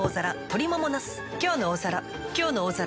「きょうの大皿」